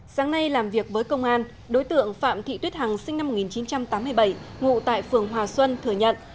sáng nay làm việc với công an đối tượng phạm thị tuyết hằng sinh năm một nghìn chín trăm tám mươi bảy ngụ tại phường hòa xuân thừa nhận